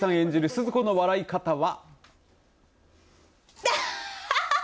鈴子の笑い方は。